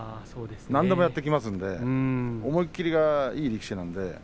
何でもやってきますからね思い切りがいい力士ですね